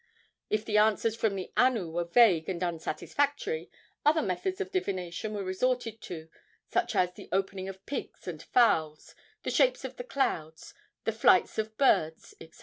If the answers from the anu were vague and unsatisfactory, other methods of divination were resorted to, such as the opening of pigs and fowls, the shapes of the clouds, the flights of birds, etc.